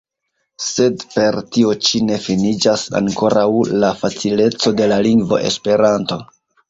Sed per tio ĉi ne finiĝas ankoraŭ la facileco de la lingvo Esperanto.